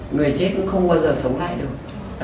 người chết cũng không bao giờ sống lại được